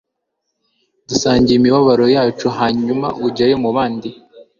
dusangire imibabaro yacu hanyuma ujyayo mubandi